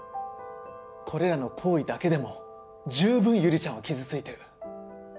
これらの行為だけでも十分悠里ちゃんは傷ついている。